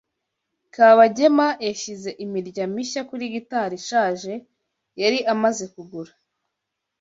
Kabagema yashyize imirya mishya kuri gitari ishaje yari amaze kugura.